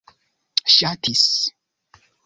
ŝatis